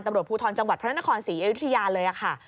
ตำรวจภูทรจังหวัดพระนครศรีอยุธยาเลยค่ะ